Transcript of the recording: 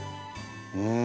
うん。